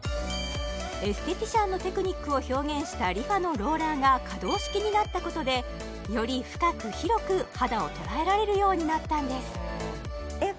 エステティシャンのテクニックを表現したＲｅＦａのローラーが可動式になったことでより深く広く肌をとらえられるようになったんですえっ